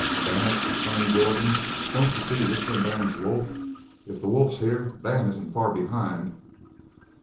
"Damn it!" exclaimed Jordan, "don't you see Whistling Dan's wolf? If the wolf's here, Dan isn't far behind."